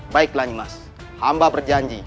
baiklah nimas hamba berjanji